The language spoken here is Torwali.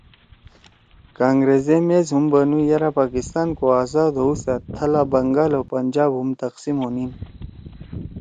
کانگرس ئے میس ہُم بنُو یرأ پاکستان کو آزاد ہؤسأد تھلا بنگال او پنجاب ہُم تقسیم ہونیِن